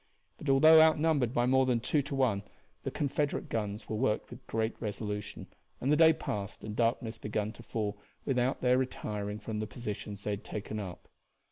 But although outnumbered by more than two to one the Confederate guns were worked with great resolution, and the day passed and darkness begun to fall without their retiring from the positions they had taken up.